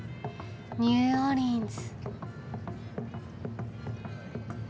ニューオーリンズ。